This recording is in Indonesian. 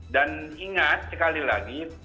dan ingat sekali lagi